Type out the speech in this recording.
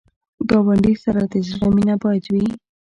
ګاونډي سره د زړه مینه باید وي